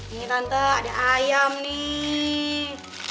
ini nanta ada ayam nih